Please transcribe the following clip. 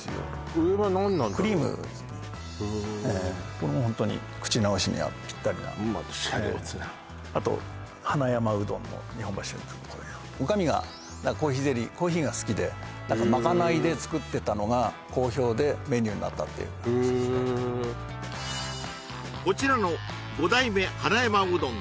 上は何なんだろうクリームですへこれもホントに口直しにはピッタリなまたシャレオツなあと花山うどんの日本橋店女将がコーヒーが好きでまかないで作ってたのが好評でメニューになったっていう話ですへこちらの五代目花山うどん